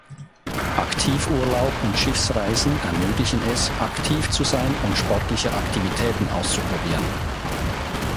Aktivurlaub und Schiffsreisen ermöglichen es, aktiv zu sein und sportliche Aktivitäten auszuprobieren.